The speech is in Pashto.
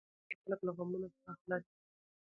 د مېلو پر مهال خلک له غمونو څخه خلاص يي.